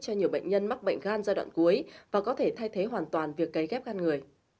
cho nhiều bệnh nhân mắc bệnh gan giai đoạn cuối và có thể thay thế hoàn toàn việc cấy ghép gan người